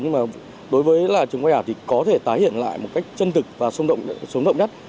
nhưng mà đối với trường quay ảm thì có thể tái hiện lại một cách chân thực và sống động nhất